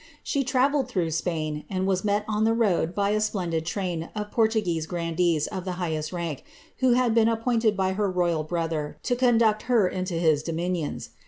She travelled through Spain, and was met on the road by a [endid train of Portuguese grandees of the highest rank, who had been pointed by her royal brother to conduct her into his dominions.